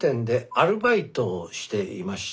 アルバイトをしていました。